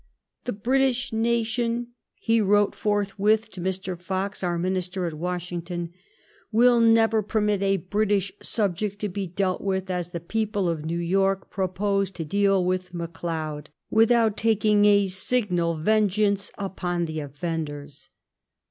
'* The British nation," he ABERDEEN AT THE FOEElOHf OFFICE. 8» wrote forthwith to Mr. Fox^ our Minister at Washington, *' will never permit a British subject to be dealt wi^h as the people of New York propose to deal with MoLeod without taking a signal vengeance upon the offenders.